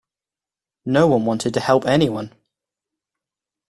No one wanted to help anyone.